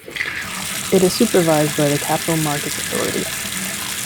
It is supervised by the Capital Market Authority.